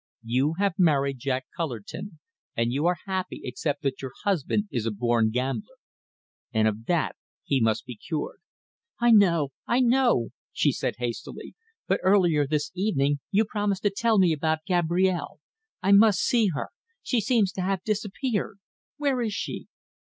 You have married Jack Cullerton, and you are happy except that your husband is a born gambler. And of that he must be cured." "I know. I know!" she said hastily. "But earlier this evening you promised to tell me about Gabrielle. I must see her. She seems to have disappeared. Where is she?"